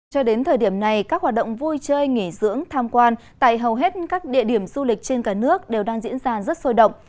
cho đến thời điểm này các hoạt động vui chơi nghỉ dưỡng tham quan tại hầu hết các địa điểm du lịch trên cả nước đều đang diễn ra rất sôi động